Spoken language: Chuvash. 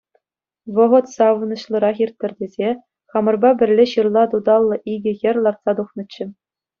Вӑхӑт савӑнӑҫлӑрах ирттӗр тесе, хамӑрпа пӗрле ҫырла туталлӑ икӗ хӗр лартса тухнӑччӗ.